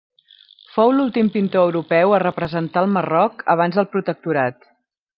Fou l'últim pintor europeu a representar el Marroc abans del Protectorat.